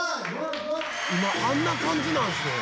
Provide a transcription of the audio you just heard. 「今あんな感じなんすね」